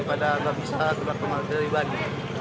pulang daripada bisa berlaku dari bali